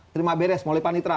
terima beres oleh panitera